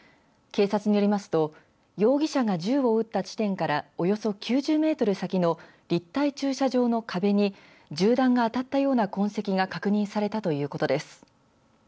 警察によりますと容疑者が銃を撃った地点からおよそ９０メートル先の立体駐車場の壁に銃弾が当たったような痕跡が確認されたということです。